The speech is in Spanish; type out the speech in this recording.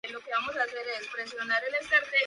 La sede de la parroquia es Covington.